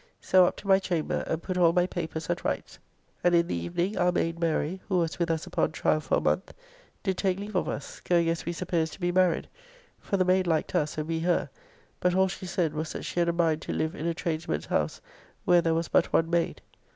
So up to my chamber, and put all my papers, at rights, and in the evening our maid Mary. (who was with us upon trial for a month) did take leave of us, going as we suppose to be married, for the maid liked us and we her, but all she said was that she had a mind to live in a tradesman's house where there was but one maid.